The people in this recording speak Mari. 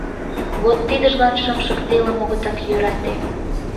Вот тидыжлан шымшык телым огытак йӧрате.